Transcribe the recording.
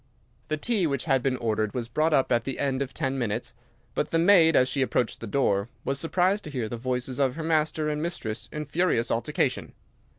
"The tea which had been ordered was brought up at the end of ten minutes; but the maid, as she approached the door, was surprised to hear the voices of her master and mistress in furious altercation.